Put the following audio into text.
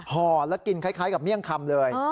ห่อแล้วกินคล้ายกับเมี่ยงคำเลย